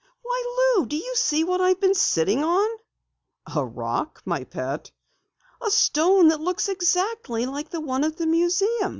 "Why, Lou! Do you see what I've been sitting on?" "A rock, my pet." "A stone that looks exactly like the one at the museum!"